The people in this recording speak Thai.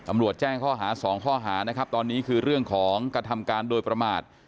แจ้งข้อหาสองข้อหานะครับตอนนี้คือเรื่องของกระทำการโดยประมาท